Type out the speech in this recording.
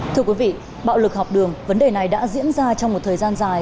thưa quý vị bạo lực học đường vấn đề này đã diễn ra trong một thời gian dài